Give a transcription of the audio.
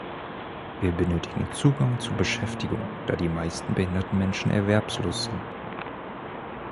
Wir benötigen Zugang zu Beschäftigung, da die meisten behinderten Menschen erwerbslos sind.